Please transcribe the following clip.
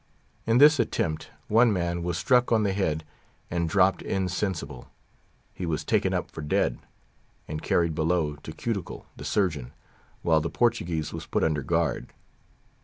In this attempt, one man was struck on the head, and dropped insensible. He was taken up for dead, and carried below to Cuticle, the surgeon, while the Portuguese was put under guard.